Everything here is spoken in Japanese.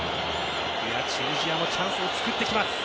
チュニジアもチャンスを作ってきます。